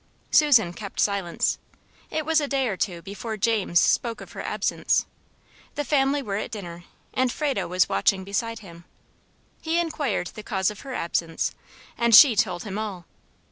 Susan kept silence. It was a day or two before James spoke of her absence. The family were at dinner, and Frado was watching beside him. He inquired the cause of her absence, and SHE told him all.